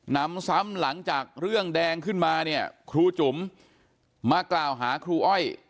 นำซ้ำหลังจากเรื่องแดงขึ้นมาเนี่ยครูจุ๋มมากล่าวหาครูอ้อย